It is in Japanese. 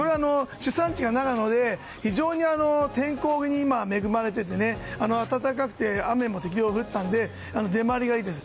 主産地が長野で非常に天候が恵まれていて暖かくて雨も適量降ったので出回りがいいです。